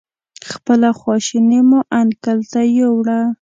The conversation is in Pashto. خپله خواشیني مو انکل ته ویوړه.